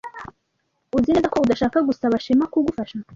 Uzi neza ko udashaka gusaba Shema kugufasha?